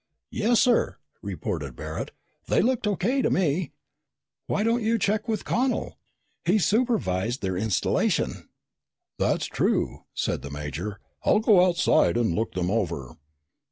"Yes, sir," reported Barret. "They looked O.K. to me. Why don't you check with Connel? He supervised their installation." "That's true," said the major. "I'll go outside and look them over."